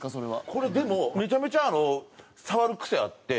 これでもめちゃめちゃ触る癖あって。